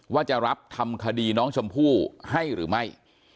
ว่าจะรับทำคดีน้องชมพู่ให้หรือไม่